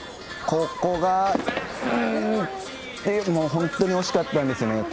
ここが本当に惜しかったですね。